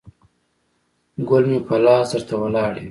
ګل مې په لاس درته ولاړ یم